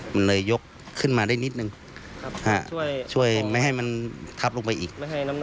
มันเลยยกขึ้นมาได้นิดนึงช่วยไม่ให้มันทับลงไปอีก